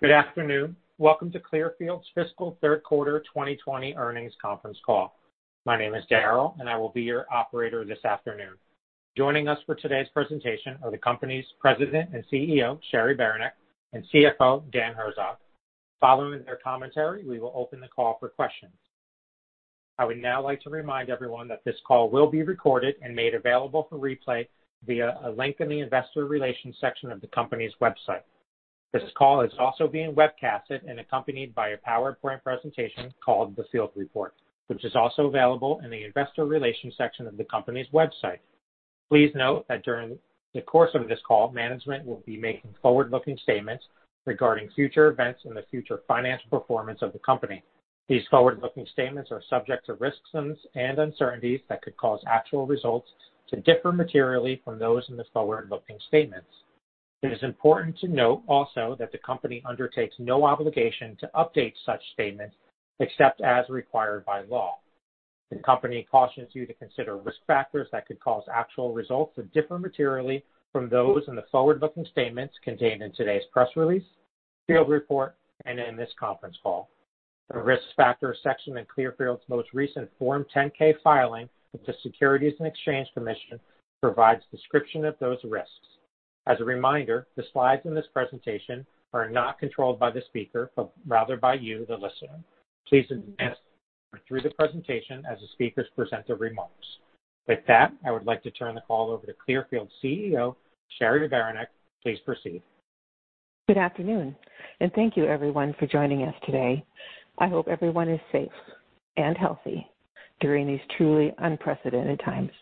Good afternoon. Welcome to Clearfield's fiscal third quarter 2020 earnings conference call. My name is Daryl. I will be your operator this afternoon. Joining us for today's presentation are the company's President and CEO, Cheri Baranek, and CFO, Dan Herzog. Following their commentary, we will open the call for questions. I would now like to remind everyone that this call will be recorded and made available for replay via a link in the investor relations section of the company's website. This call is also being webcasted and accompanied by a PowerPoint presentation called the FieldReport, which is also available in the investor relations section of the company's website. Please note that during the course of this call, management will be making forward-looking statements regarding future events and the future financial performance of the company. These forward-looking statements are subject to risks and uncertainties that could cause actual results to differ materially from those in the forward-looking statements. It is important to note also that the company undertakes no obligation to update such statements, except as required by law. The company cautions you to consider risk factors that could cause actual results to differ materially from those in the forward-looking statements contained in today's press release, FieldReport, and in this conference call. The risk factor section in Clearfield's most recent Form 10-K filing with the Securities and Exchange Commission provides description of those risks. As a reminder, the slides in this presentation are not controlled by the speaker, but rather by you, the listener. Please advance through the presentation as the speakers present their remarks. With that, I would like to turn the call over to Clearfield CEO, Cheri Baranek. Please proceed. Good afternoon. Thank you, everyone, for joining us today. I hope everyone is safe and healthy during these truly unprecedented times.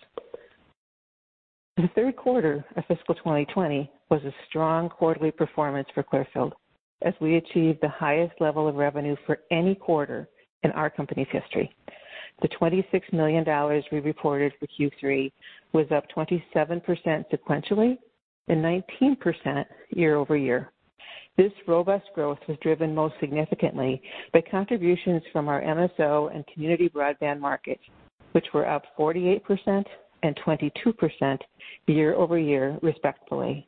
The third quarter of fiscal 2020 was a strong quarterly performance for Clearfield, as we achieved the highest level of revenue for any quarter in our company's history. The $26 million we reported for Q3 was up 27% sequentially and 19% year-over-year. This robust growth was driven most significantly by contributions from our MSO and community broadband market, which were up 48% and 22% year-over-year, respectively.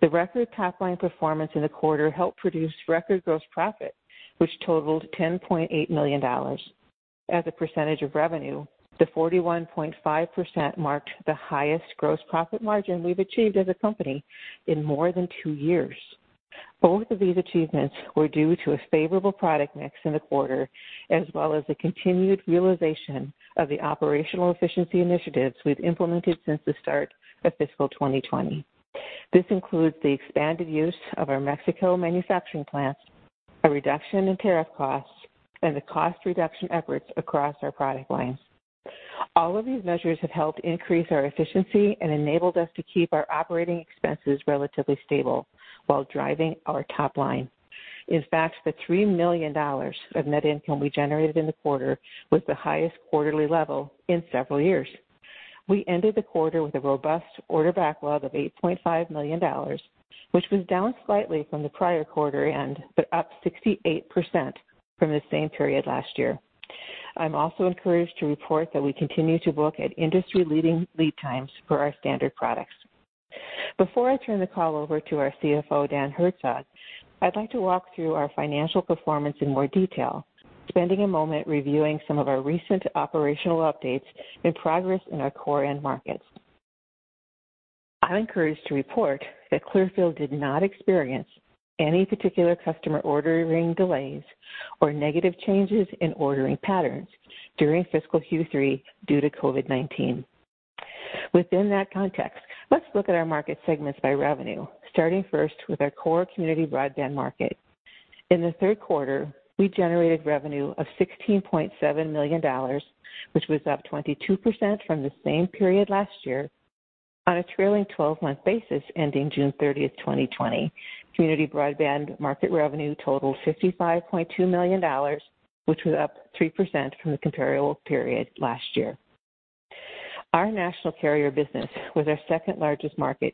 The record top-line performance in the quarter helped produce record gross profit, which totaled $10.8 million. As a percentage of revenue, the 41.5% marked the highest gross profit margin we've achieved as a company in more than two years. Both of these achievements were due to a favorable product mix in the quarter, as well as the continued realization of the operational efficiency initiatives we've implemented since the start of fiscal 2020. This includes the expanded use of our Mexico manufacturing plant, a reduction in tariff costs, and the cost reduction efforts across our product lines. All of these measures have helped increase our efficiency and enabled us to keep our operating expenses relatively stable while driving our top line. In fact, the $3 million of net income we generated in the quarter was the highest quarterly level in several years. We ended the quarter with a robust order backlog of $8.5 million, which was down slightly from the prior quarter end, but up 68% from the same period last year. I'm also encouraged to report that we continue to book at industry-leading lead times for our standard products. Before I turn the call over to our CFO, Dan Herzog, I'd like to walk through our financial performance in more detail, spending a moment reviewing some of our recent operational updates and progress in our core end markets. I'm encouraged to report that Clearfield did not experience any particular customer ordering delays or negative changes in ordering patterns during fiscal Q3 due to COVID-19. Within that context, let's look at our market segments by revenue, starting first with our core community broadband market. In the third quarter, we generated revenue of $16.7 million, which was up 22% from the same period last year. On a trailing 12-month basis ending June 30, 2020, community broadband market revenue totaled $55.2 million, which was up 3% from the comparable period last year. Our national carrier business was our second largest market,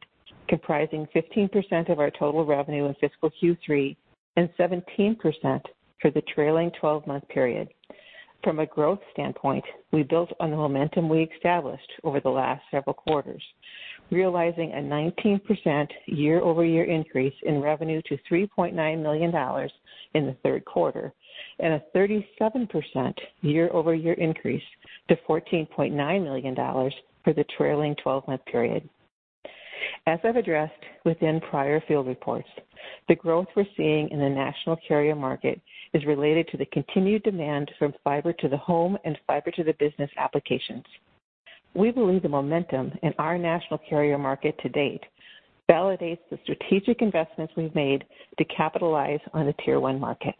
comprising 15% of our total revenue in fiscal Q3 and 17% for the trailing 12-month period. From a growth standpoint, we built on the momentum we established over the last several quarters, realizing a 19% year-over-year increase in revenue to $3.9 million in the third quarter and a 37% year-over-year increase to $14.9 million for the trailing 12-month period. As I've addressed within prior FieldReport, the growth we're seeing in the national carrier market is related to the continued demand from Fiber to the Home and Fiber to the Business applications. We believe the momentum in our national carrier market to date validates the strategic investments we've made to capitalize on the Tier 1 market.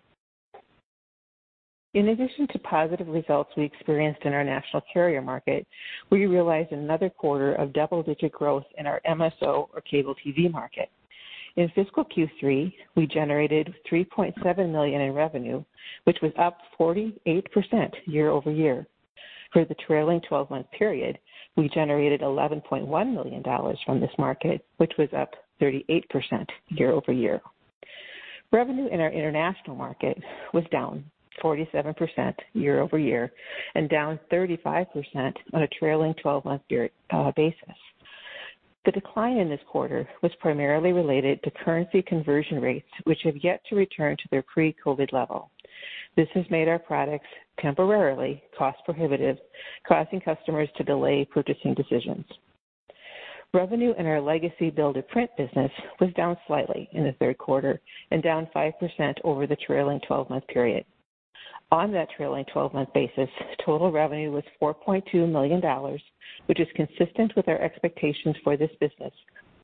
In addition to positive results we experienced in our national carrier market, we realized another quarter of double-digit growth in our MSO or cable TV market. In fiscal Q3, we generated $3.7 million in revenue, which was up 48% year-over-year. For the trailing 12-month period, we generated $11.1 million from this market, which was up 38% year-over-year. Revenue in our international market was down 47% year-over-year and down 35% on a trailing 12-month basis. The decline in this quarter was primarily related to currency conversion rates, which have yet to return to their pre-COVID level. This has made our products temporarily cost prohibitive, causing customers to delay purchasing decisions. Revenue in our legacy build-to-print business was down slightly in the third quarter and down 5% over the trailing 12-month period. On that trailing 12-month basis, total revenue was $4.2 million, which is consistent with our expectations for this business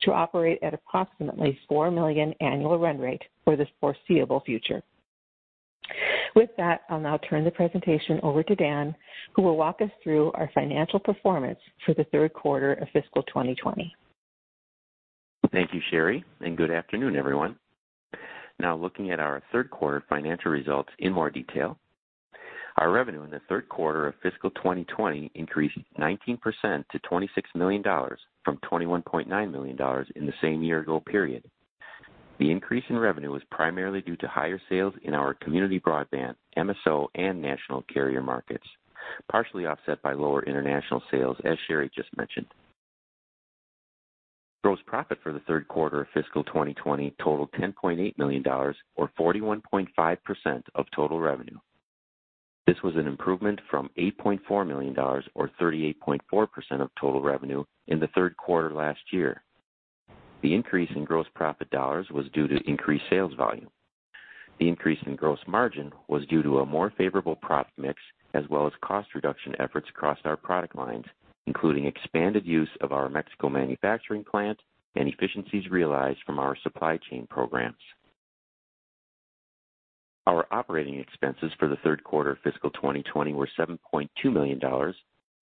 to operate at approximately $4 million annual run rate for the foreseeable future. With that, I'll now turn the presentation over to Dan, who will walk us through our financial performance for the third quarter of fiscal 2020. Thank you, Cheri, and good afternoon, everyone. Now looking at our third quarter financial results in more detail. Our revenue in the third quarter of fiscal 2020 increased 19% to $26 million from $21.9 million in the same year-ago period. The increase in revenue was primarily due to higher sales in our community broadband, MSO, and national carrier markets, partially offset by lower international sales, as Cheri just mentioned. Gross profit for the third quarter of fiscal 2020 totaled $10.8 million, or 41.5% of total revenue. This was an improvement from $8.4 million, or 38.4% of total revenue in the third quarter last year. The increase in gross profit dollars was due to increased sales volume. The increase in gross margin was due to a more favorable profit mix, as well as cost reduction efforts across our product lines, including expanded use of our Mexico manufacturing plant and efficiencies realized from our supply chain programs. Our operating expenses for the third quarter of fiscal 2020 were $7.2 million,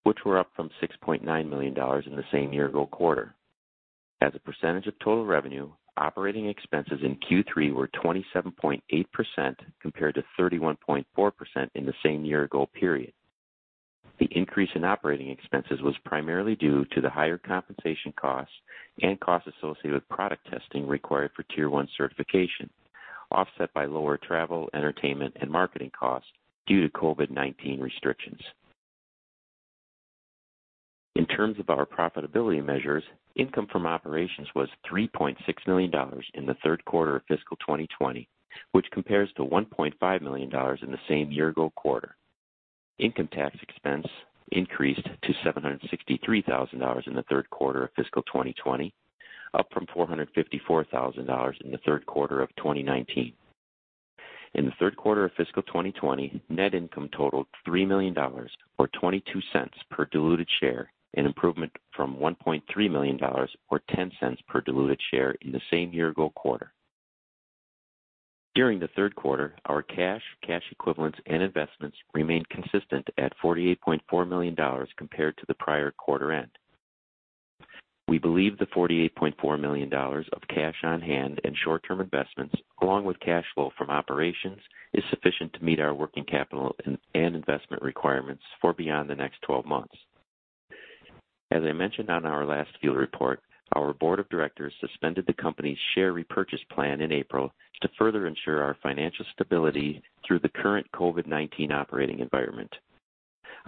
which were up from $6.9 million in the same year-ago quarter. As a percentage of total revenue, operating expenses in Q3 were 27.8% compared to 31.4% in the same year-ago period. The increase in operating expenses was primarily due to the higher compensation costs and costs associated with product testing required for Tier 1 certification, offset by lower travel, entertainment, and marketing costs due to COVID-19 restrictions. In terms of our profitability measures, income from operations was $3.6 million in the third quarter of fiscal 2020, which compares to $1.5 million in the same year-ago quarter. Income tax expense increased to $763,000 in the third quarter of fiscal 2020, up from $454,000 in the third quarter of 2019. In the third quarter of fiscal 2020, net income totaled $3 million, or $0.22 per diluted share, an improvement from $1.3 million or $0.10 per diluted share in the same year-ago quarter. During the third quarter, our cash equivalents, and investments remained consistent at $48.4 million compared to the prior quarter end. We believe the $48.4 million of cash on hand and short-term investments, along with cash flow from operations, is sufficient to meet our working capital and investment requirements for beyond the next 12 months. As I mentioned on our last FieldReport, our board of directors suspended the company's share repurchase plan in April to further ensure our financial stability through the current COVID-19 operating environment.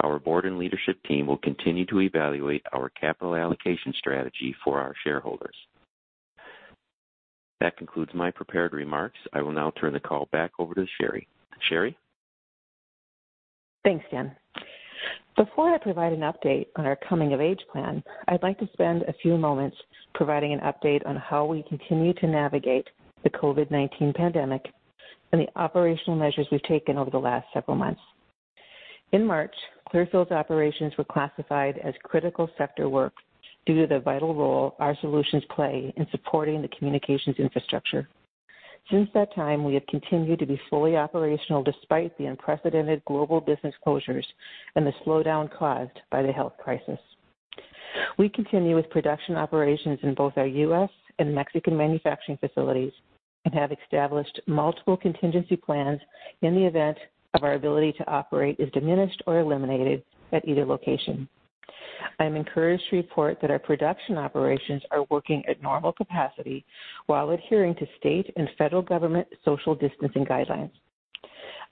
Our board and leadership team will continue to evaluate our capital allocation strategy for our shareholders. That concludes my prepared remarks. I will now turn the call back over to Cheri. Cheri? Thanks, Dan. Before I provide an update on our Coming of Age plan, I'd like to spend a few moments providing an update on how we continue to navigate the COVID-19 pandemic and the operational measures we've taken over the last several months. In March, Clearfield's operations were classified as critical sector work due to the vital role our solutions play in supporting the communications infrastructure. Since that time, we have continued to be fully operational despite the unprecedented global business closures and the slowdown caused by the health crisis. We continue with production operations in both our U.S. and Mexican manufacturing facilities and have established multiple contingency plans in the event of our ability to operate is diminished or eliminated at either location. I am encouraged to report that our production operations are working at normal capacity while adhering to state and federal government social distancing guidelines.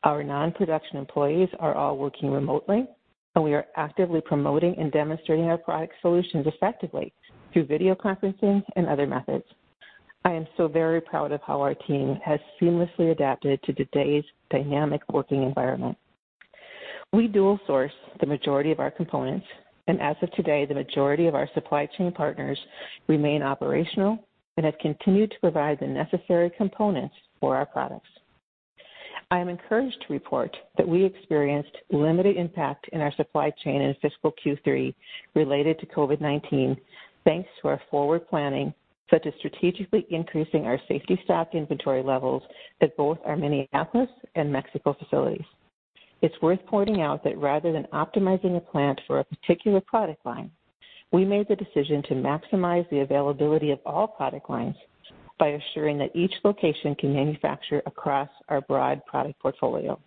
Our non-production employees are all working remotely, and we are actively promoting and demonstrating our product solutions effectively through video conferencing and other methods. I am so very proud of how our team has seamlessly adapted to today's dynamic working environment. We dual source the majority of our components, and as of today, the majority of our supply chain partners remain operational and have continued to provide the necessary components for our products. I am encouraged to report that we experienced limited impact in our supply chain in fiscal Q3 related to COVID-19, thanks to our forward planning, such as strategically increasing our safety stock inventory levels at both our Minneapolis and Mexico facilities. It's worth pointing out that rather than optimizing a plant for a particular product line, we made the decision to maximize the availability of all product lines by assuring that each location can manufacture across our broad product portfolio.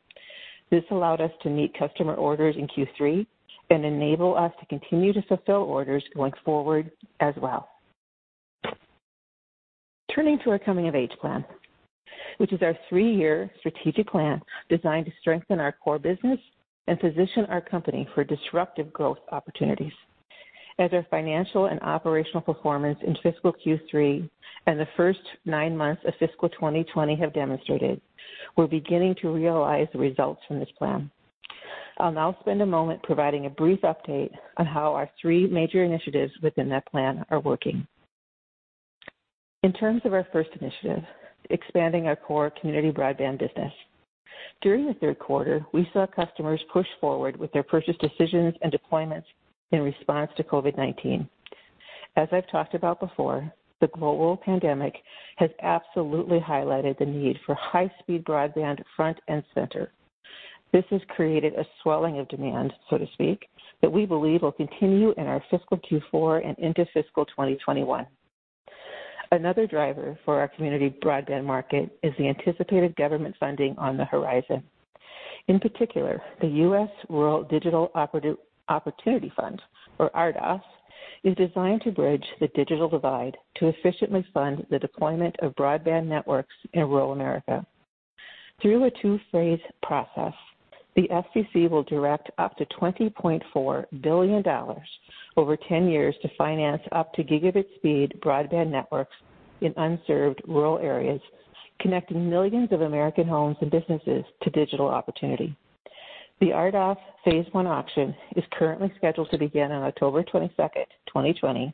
This allowed us to meet customer orders in Q3 and enable us to continue to fulfill orders going forward as well. Turning to our Coming of Age plan, which is our three-year strategic plan designed to strengthen our core business and position our company for disruptive growth opportunities. As our financial and operational performance in fiscal Q3 and the first nine months of fiscal 2020 have demonstrated, we're beginning to realize the results from this plan. I'll now spend a moment providing a brief update on how our three major initiatives within that plan are working. In terms of our first initiative, expanding our core community broadband business. During the third quarter, we saw customers push forward with their purchase decisions and deployments in response to COVID-19. As I've talked about before, the global pandemic has absolutely highlighted the need for high-speed broadband front and center. This has created a swelling of demand, so to speak, that we believe will continue in our fiscal Q4 and into fiscal 2021. Another driver for our community broadband market is the anticipated government funding on the horizon. In particular, the U.S. Rural Digital Opportunity Fund, or RDOF, is designed to bridge the digital divide to efficiently fund the deployment of broadband networks in rural America. Through a two-phase process, the FCC will direct up to $20.4 billion over 10 years to finance up to gigabit speed broadband networks in unserved rural areas, connecting millions of American homes and businesses to digital opportunity. The RDOF Phase 1 auction is currently scheduled to begin on October 22, 2020,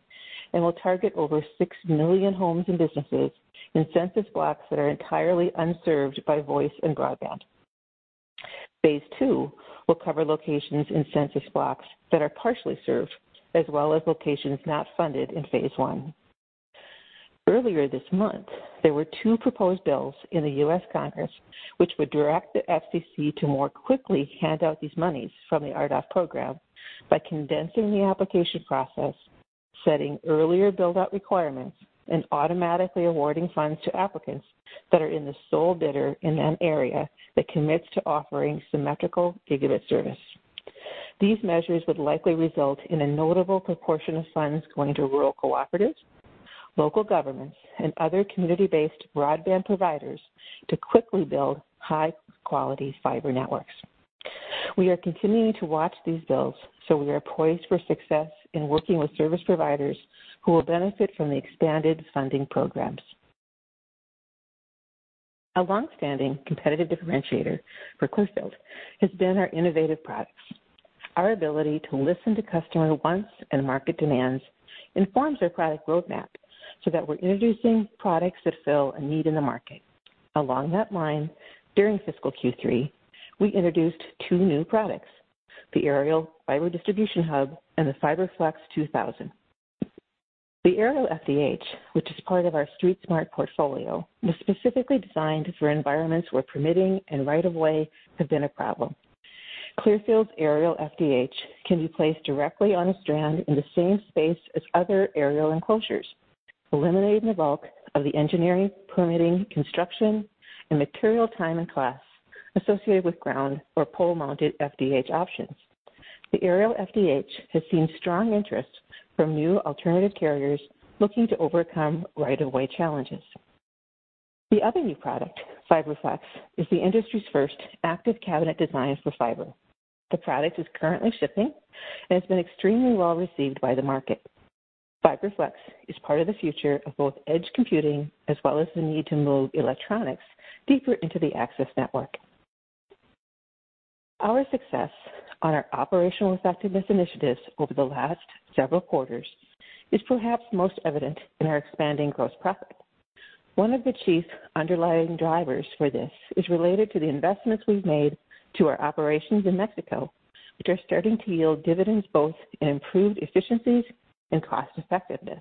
and will target over 6 million homes and businesses in census blocks that are entirely unserved by voice and broadband. Phase 2 will cover locations in census blocks that are partially served, as well as locations not funded in Phase 1. Earlier this month, there were two proposed bills in the U.S. Congress, which would direct the FCC to more quickly hand out these monies from the RDOF program by condensing the application process, setting earlier build-out requirements, and automatically awarding funds to applicants that are in the sole bidder in an area that commits to offering symmetrical gigabit service. These measures would likely result in a notable proportion of funds going to rural cooperatives, local governments, and other community-based broadband providers to quickly build high-quality fiber networks. We are continuing to watch these bills. We are poised for success in working with service providers who will benefit from the expanded funding programs. A longstanding competitive differentiator for Clearfield has been our innovative products. Our ability to listen to customer wants and market demands informs our product roadmap so that we're introducing products that fill a need in the market. Along that line, during fiscal Q3, we introduced two new products, the Aerial Fiber Distribution Hub and the FiberFlex 2000. The Aerial FDH, which is part of our StreetSmart portfolio, was specifically designed for environments where permitting and right-of-way have been a problem. Clearfield's Aerial FDH can be placed directly on a strand in the same space as other aerial enclosures, eliminating the bulk of the engineering, permitting, construction, and material time and costs associated with ground or pole-mounted FDH options. The Aerial FDH has seen strong interest from new alternative carriers looking to overcome right-of-way challenges. The other new product, FiberFlex, is the industry's first active cabinet designed for fiber. The product is currently shipping and has been extremely well received by the market. FiberFlex is part of the future of both edge computing as well as the need to move electronics deeper into the access network. Our success on our operational effectiveness initiatives over the last several quarters is perhaps most evident in our expanding gross profit. One of the chief underlying drivers for this is related to the investments we've made to our operations in Mexico, which are starting to yield dividends both in improved efficiencies and cost effectiveness.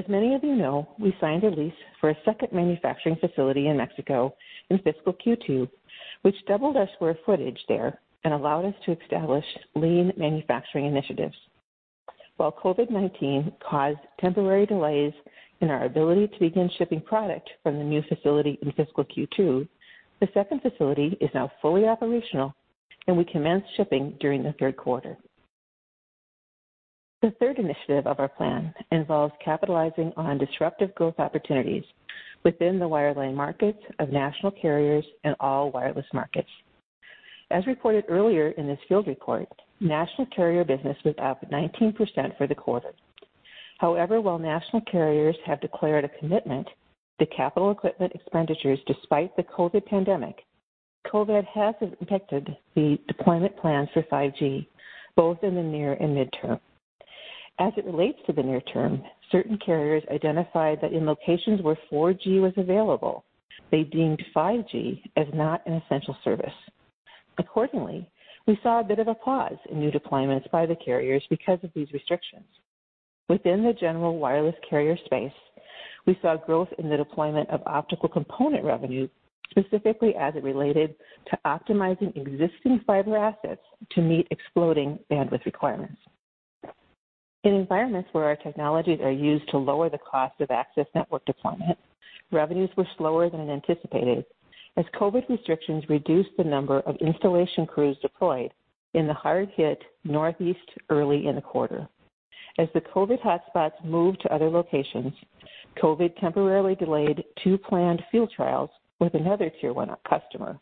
As many of you know, we signed a lease for a second manufacturing facility in Mexico in fiscal Q2, which doubled our square footage there and allowed us to establish lean manufacturing initiatives. While COVID-19 caused temporary delays in our ability to begin shipping product from the new facility in fiscal Q2, the second facility is now fully operational, and we commenced shipping during the third quarter. The third initiative of our plan involves capitalizing on disruptive growth opportunities within the wireline markets of national carriers and all wireless markets. As reported earlier in this FieldReport, national carrier business was up 19% for the quarter. However, while national carriers have declared a commitment to capital equipment expenditures despite the COVID pandemic, COVID has impacted the deployment plans for 5G, both in the near and midterm. As it relates to the near term, certain carriers identified that in locations where 4G was available, they deemed 5G as not an essential service. We saw a bit of a pause in new deployments by the carriers because of these restrictions. Within the general wireless carrier space, we saw growth in the deployment of optical component revenues, specifically as it related to optimizing existing fiber assets to meet exploding bandwidth requirements. In environments where our technologies are used to lower the cost of access network deployment, revenues were slower than anticipated as COVID restrictions reduced the number of installation crews deployed in the hard-hit Northeast early in the quarter. As the COVID hotspots moved to other locations, COVID temporarily delayed two planned field trials with another Tier 1 customer.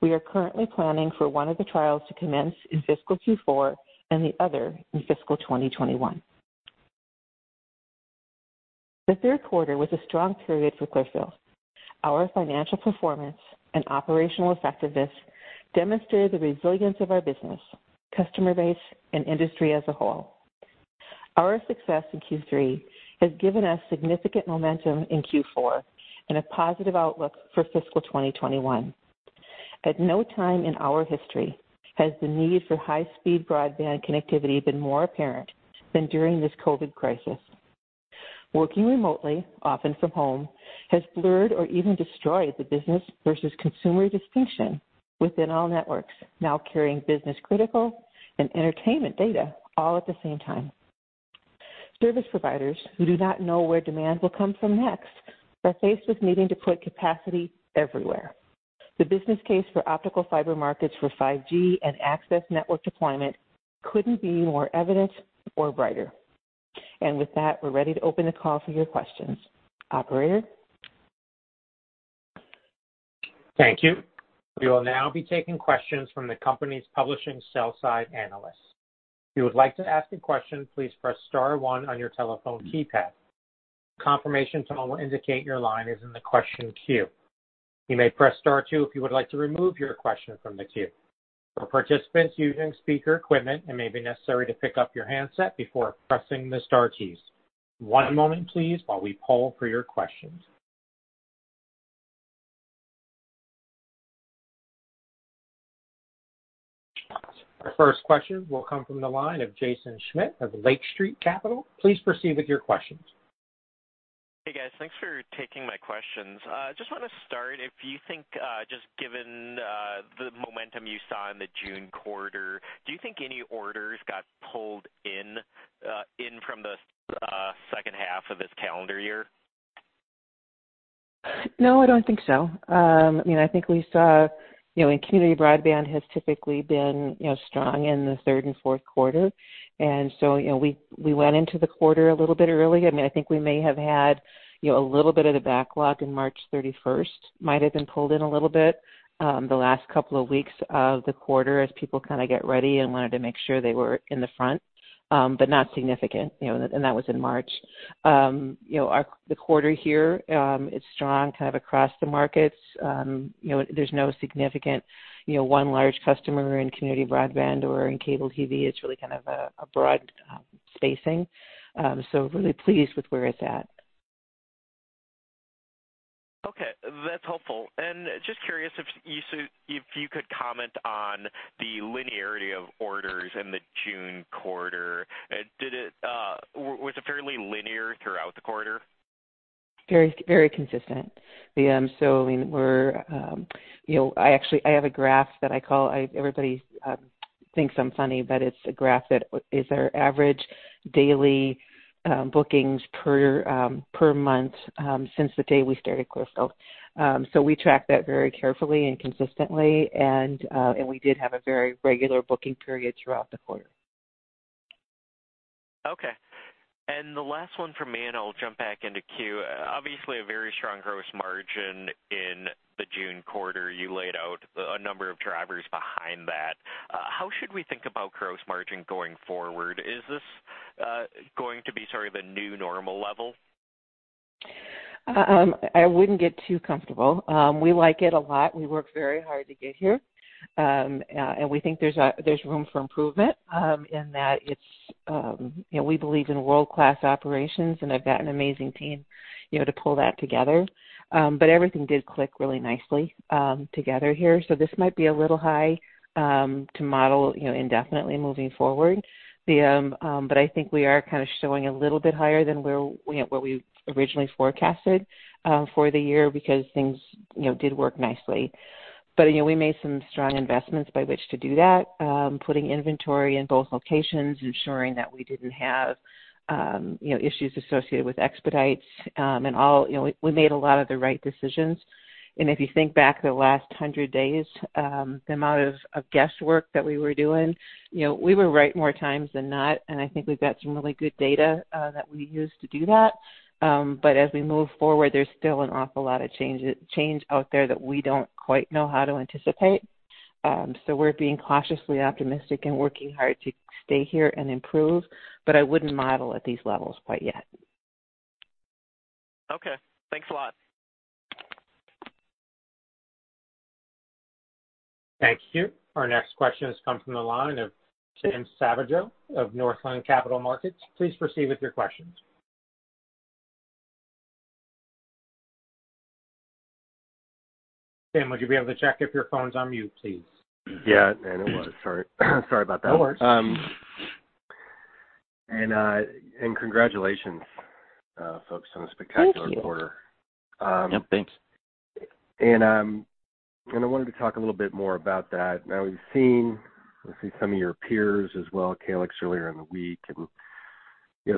We are currently planning for one of the trials to commence in fiscal Q4 and the other in fiscal 2021. The third quarter was a strong period for Clearfield. Our financial performance and operational effectiveness demonstrated the resilience of our business, customer base, and industry as a whole. Our success in Q3 has given us significant momentum in Q4 and a positive outlook for fiscal 2021. At no time in our history has the need for high-speed broadband connectivity been more apparent than during this COVID crisis. Working remotely, often from home, has blurred or even destroyed the business versus consumer distinction within all networks, now carrying business critical and entertainment data all at the same time. Service providers who do not know where demand will come from next are faced with needing to put capacity everywhere. The business case for optical fiber markets for 5G and access network deployment couldn't be more evident or brighter. With that, we're ready to open the call for your questions. Operator? Thank you. We will now be taking questions from the company's publishing sell-side analysts. If you would like to ask a question, please press star one on your telephone keypad. A confirmation tone will indicate your line is in the question queue. You may press star two if you would like to remove your question from the queue. For participants using speaker equipment, it may be necessary to pick up your handset before pressing the star keys. One moment, please, while we poll for your questions. Our first question will come from the line of Jaeson Schmidt of Lake Street Capital. Please proceed with your questions. Hey, guys. Thanks for taking my questions. Just want to start, if you think just given the momentum you saw in the June quarter, do you think any orders got pulled in from the second half of this calendar year? No, I don't think so. I think we saw community broadband has typically been strong in the third and fourth quarter. We went into the quarter a little bit early. I think we may have had a little bit of the backlog in March 31st might have been pulled in a little bit the last couple of weeks of the quarter as people kind of get ready and wanted to make sure they were in the front, but not significant. That was in March. The quarter here, it's strong kind of across the markets. There's no significant one large customer in community broadband or in cable TV. It's really kind of a broad spacing. Really pleased with where it's at. Okay. That's helpful. Just curious if you could comment on the linearity of orders in the June quarter. Was it fairly linear throughout the quarter? Very consistent. Actually, I have a graph that everybody thinks I'm funny, but it's a graph that is our average daily bookings per month since the day we started Clearfield. We track that very carefully and consistently, and we did have a very regular booking period throughout the quarter. Okay. The last one from me, and I'll jump back into queue. Obviously, a very strong gross margin in the June quarter. You laid out a number of drivers behind that. How should we think about gross margin going forward? Is this going to be sort of a new normal level? I wouldn't get too comfortable. We like it a lot. We worked very hard to get here. We think there's room for improvement in that we believe in world-class operations, and I've got an amazing team to pull that together. Everything did click really nicely together here. This might be a little high to model indefinitely moving forward. I think we are kind of showing a little bit higher than what we originally forecasted for the year because things did work nicely. We made some strong investments by which to do that, putting inventory in both locations, ensuring that we didn't have issues associated with expedites. We made a lot of the right decisions. If you think back the last 100 days, the amount of guesswork that we were doing, we were right more times than not, and I think we've got some really good data that we use to do that. As we move forward, there's still an awful lot of change out there that we don't quite know how to anticipate. We're being cautiously optimistic and working hard to stay here and improve, but I wouldn't model at these levels quite yet. Okay. Thanks a lot. Thank you. Our next question has come from the line of Timothy Savageaux of Northland Capital Markets. Please proceed with your questions. Tim, would you be able to check if your phone's on mute, please? Yeah. It was. Sorry about that. No worries. Congratulations folks, on a spectacular quarter. Thank you. Yep. Thanks. I wanted to talk a little bit more about that. We've seen, I think, some of your peers as well, Calix earlier in the week,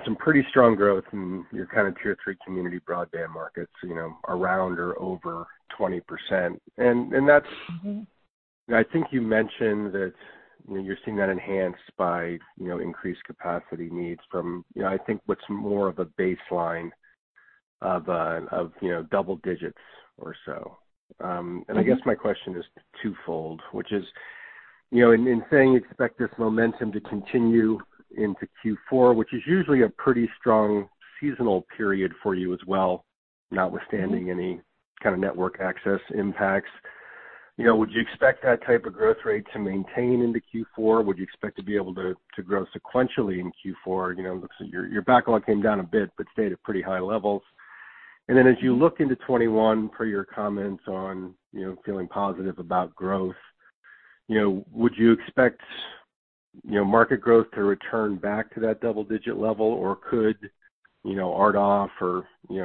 some pretty strong growth in your kind of Tier 3 community broadband markets, around or over 20%. I think you mentioned that you're seeing that enhanced by increased capacity needs from, I think what's more of a baseline of double digits or so. I guess my question is twofold, which is, in saying you expect this momentum to continue into Q4, which is usually a pretty strong seasonal period for you as well, notwithstanding any kind of network access impacts. Would you expect that type of growth rate to maintain into Q4? Would you expect to be able to grow sequentially in Q4? It looks like your backlog came down a bit, but stayed at pretty high levels. Then as you look into 2021 per your comments on feeling positive about growth, would you expect market growth to return back to that double digit level or could RDOF or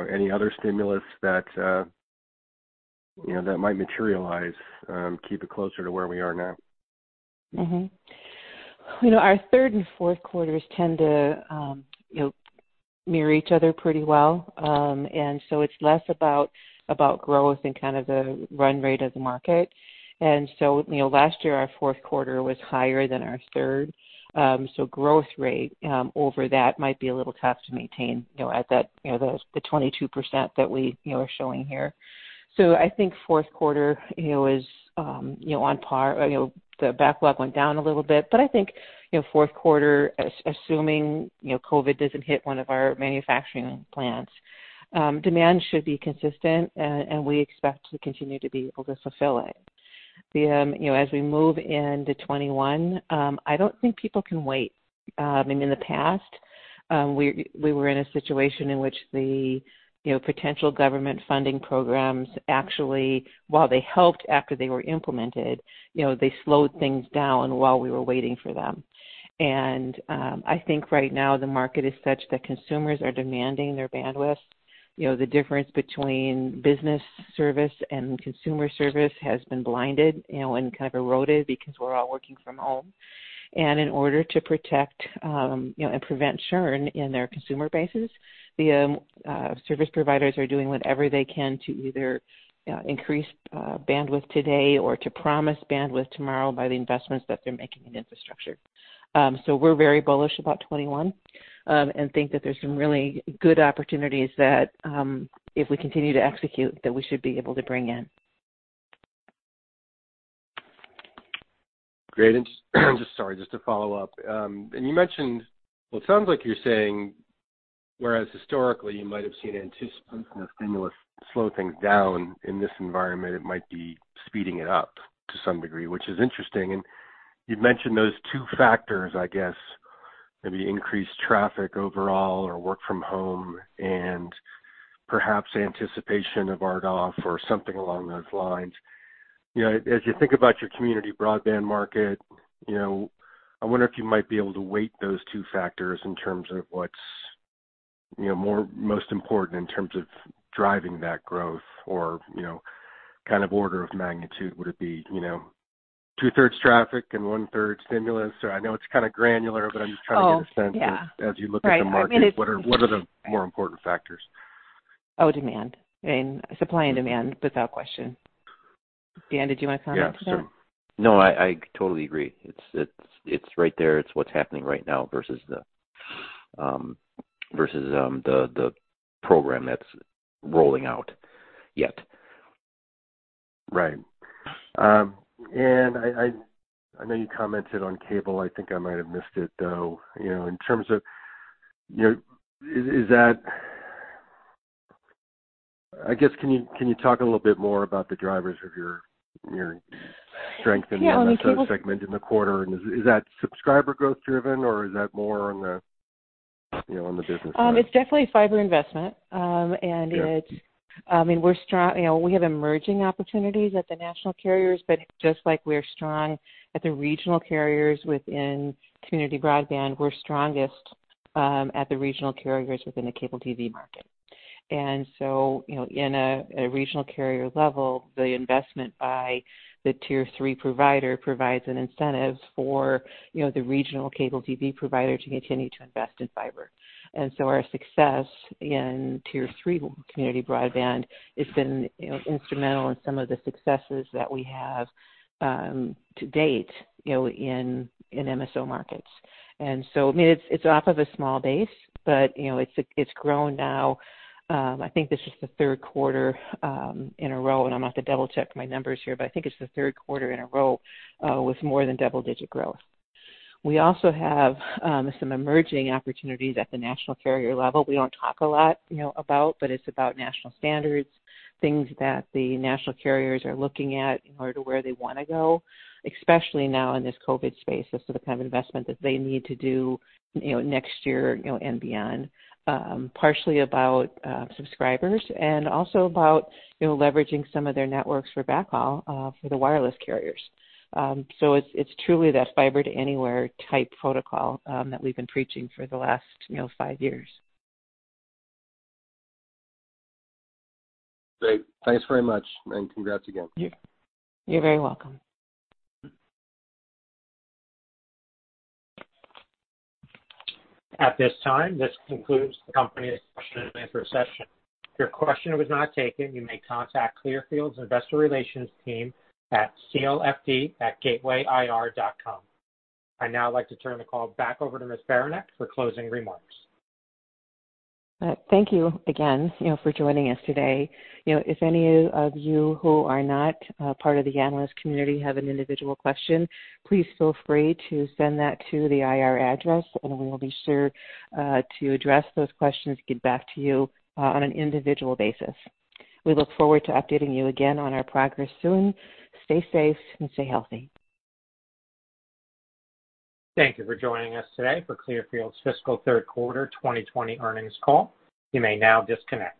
any other stimulus that might materialize keep it closer to where we are now? Our third and fourth quarters tend to mirror each other pretty well. It's less about growth and kind of the run rate of the market. Last year, our fourth quarter was higher than our third. Growth rate over that might be a little tough to maintain at the 22% that we are showing here. I think fourth quarter is on par. The backlog went down a little bit, but I think fourth quarter, assuming COVID doesn't hit one of our manufacturing plants, demand should be consistent and we expect to continue to be able to fulfill it. As we move into 2021, I don't think people can wait. In the past, we were in a situation in which the potential government funding programs actually, while they helped after they were implemented, they slowed things down while we were waiting for them. I think right now the market is such that consumers are demanding their bandwidth. The difference between business service and consumer service has been blinded and kind of eroded because we're all working from home. In order to protect and prevent churn in their consumer bases, the service providers are doing whatever they can to either increase bandwidth today or to promise bandwidth tomorrow by the investments that they're making in infrastructure. We're very bullish about 2021, and think that there's some really good opportunities that if we continue to execute, that we should be able to bring in. Great. Just sorry, just to follow up. You mentioned, well, it sounds like you're saying whereas historically you might have seen anticipation of stimulus slow things down, in this environment, it might be speeding it up to some degree, which is interesting. You've mentioned those two factors, I guess, maybe increased traffic overall or work from home and perhaps anticipation of RDOF or something along those lines. As you think about your community broadband market, I wonder if you might be able to weight those two factors in terms of what's most important in terms of driving that growth or kind of order of magnitude. Would it be two-thirds traffic and one-third stimulus? Or I know it's kind of granular, but I'm just trying to get a sense of- Oh, yeah ...as you look at the market- Right. I mean, ...what are the more important factors? Oh, demand. Supply and demand, without question. Dan, did you want to comment on that? Yeah, sure. No, I totally agree. It's right there. It's what's happening right now versus the program that's rolling out yet. Right. I know you commented on cable. I think I might have missed it, though. I guess, can you talk a little bit more about the drivers of your strength in the MSO segment in the quarter, and is that subscriber growth driven, or is that more on the business side? It's definitely fiber investment. Yeah. We have emerging opportunities at the national carriers, but just like we're strong at the regional carriers within community broadband, we're strongest at the regional carriers within the cable TV market. In a regional carrier level, the investment by the Tier 3 provider provides an incentive for the regional cable TV provider to continue to invest in fiber. Our success in Tier 3 community broadband has been instrumental in some of the successes that we have to date in MSO markets. It's off of a small base, but it's grown now, I think this is the third quarter in a row, and I'm going to have to double check my numbers here, but I think it's the third quarter in a row with more than double digit growth. We also have some emerging opportunities at the national carrier level. We don't talk a lot about, but it's about national standards, things that the national carriers are looking at in order to where they want to go, especially now in this COVID space as to the kind of investment that they need to do next year and beyond. Partially about subscribers and also about leveraging some of their networks for backhaul for the wireless carriers. It's truly that Fiber to Anywhere type protocol that we've been preaching for the last five years. Great. Thanks very much and congrats again. You're very welcome. At this time, this concludes the company's question and answer session. If your question was not taken, you may contact Clearfield's investor relations team at clfd@gatewayir.com. I'd now like to turn the call back over to Ms. Beranek for closing remarks. Thank you again for joining us today. If any of you who are not part of the analyst community have an individual question, please feel free to send that to the IR address and we will be sure to address those questions and get back to you on an individual basis. We look forward to updating you again on our progress soon. Stay safe and stay healthy. Thank you for joining us today for Clearfield's fiscal third quarter 2020 earnings call. You may now disconnect.